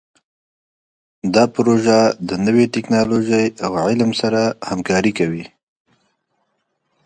دا پروژه د نوي ټکنالوژۍ او علم سره همکاري کوي.